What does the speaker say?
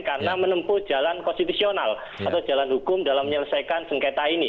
karena menempuh jalan konstitusional atau jalan hukum dalam menyelesaikan sengketa ini